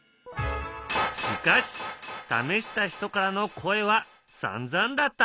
しかし試した人からの声はさんざんだった。